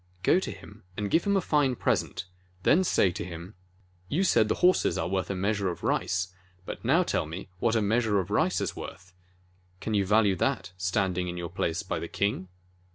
"Go to him and give him a fine present, then say to him : 'You said the horses are worth a measure of rice, but now tell what a meas ure of rice is worth! Can you value that standing in your place by the king?'